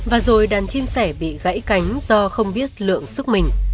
và rồi đàn chim sẻ bị gãy cánh do không biết lượng sức mình